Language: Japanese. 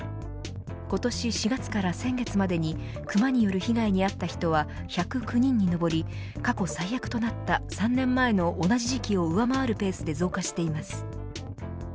今年４月から先月までにクマによる被害に遭った人は１０９人に上り過去最悪となった３年前の同じ時期を上回るペースで増加しています。